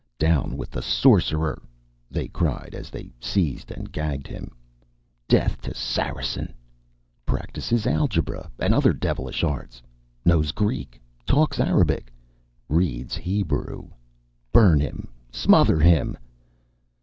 "Down with the sorcerer!" they cried, as they seized and gagged him. "Death to the Saracen!" "Practises algebra, and other devilish arts!" "Knows Greek!" "Talks Arabic!" "Reads Hebrew!" "Burn him!" "Smother him!"